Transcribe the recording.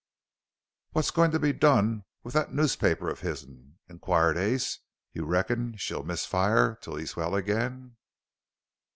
"What's goin' to be done with that noospaper of his'n?" inquired Ace. "You reckon she'll miss fire till he's well again?"